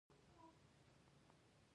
شپېته زره پوځ باید هند ته دننه شي.